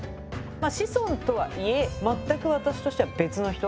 子孫とはいえ全く私としては別の人